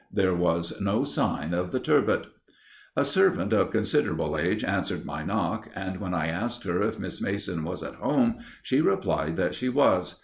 There was no sign of the "Turbot." A servant of considerable age answered my knock, and when I asked her if Miss Mason was at home, she replied that she was.